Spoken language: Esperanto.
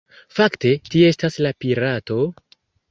Fakte, kie estas la pirato?